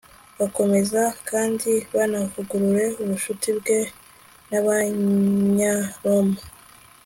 bakomeza kandi banavugurure ubucuti bwe n'abanyaroma